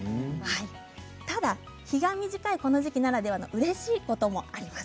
ただ日が短いとこの時期ならではのうれしいこともあります。